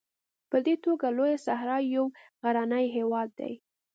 په دې توګه لویه صحرا یو غرنی هېواد دی.